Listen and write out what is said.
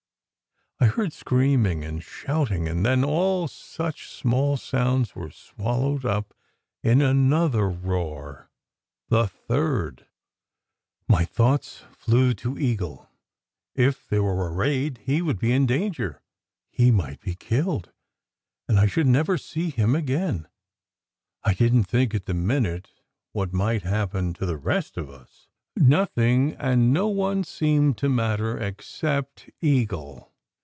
I heard screaming and shouting, and then all such small sounds were swallowed up in another roar the third. My thoughts flew to Eagle. If there were a raid he would be in danger. He might be killed, and I should never see him again. I didn t think at the minute what might happen to the rest of us. Nothing and no one seemed to matter except Eagle.